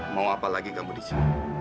mau apa lagi kamu disini